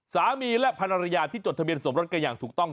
สามีและแผ่นอนรยาคีมีที่จดทะเบียนสสมรทกันอย่างถูกต้อง